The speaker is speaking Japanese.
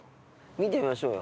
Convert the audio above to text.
見てみましょうよ。